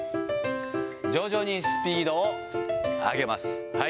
徐々にスピードを上げます。